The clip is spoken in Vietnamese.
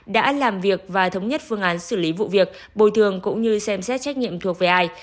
đã làm việc và thống nhất phương án xử lý vụ việc bồi thường cũng như xem xét trách nhiệm thuộc về ai